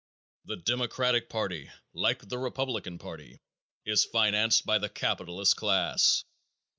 The Democratic party, like the Republican party, is financed by the capitalist class.